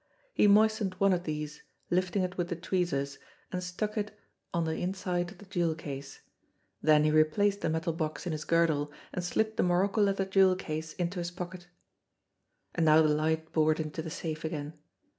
He moistened one of these, lifting it with the tweezers, and stuck it on the 140 THE LESSER BREED 141 inside of the jewel case; then he replaced the metal box in his girdle, and slipped the morocco leather jewel case into his pocket. And now the light bored into the safe again.